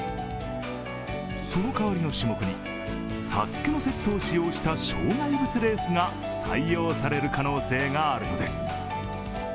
その代わりの種目に「ＳＡＳＵＫＥ」のセットを使用した障害物レースが採用される可能性があるのです。